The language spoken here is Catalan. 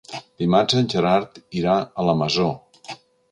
Dimarts en Gerard irà a la Masó.